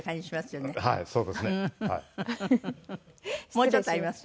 もうちょっとあります？